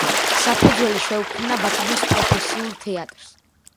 საფუძველი შეუქმნა ბათუმის პროფესიულ თეატრს.